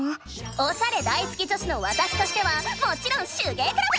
おしゃれ大好き女子のわたしとしてはもちろん手芸クラブ！